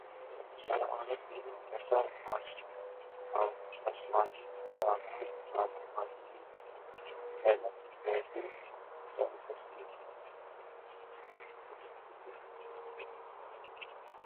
میں عورت ہوں جیسا نسوانی ترانہ گانے والی ہیلن ریڈی چل بسیں